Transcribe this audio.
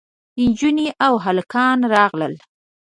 نجونې او هلکان راغلل.